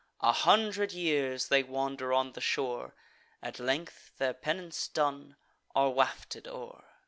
A hundred years they wander on the shore; At length, their penance done, are wafted o'er."